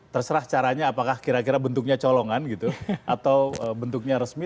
terserah caranya apakah kira kira bentuknya colongan gitu atau bentuknya resmi